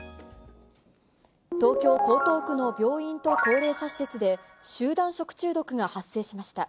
東京・江東区の病院と高齢者施設で、集団食中毒が発生しました。